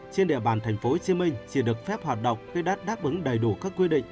trên địa bàn tp hcm chỉ được phép hoạt động khi đã đáp ứng đầy đủ các quy định